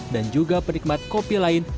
dan juga penikmat kopi lain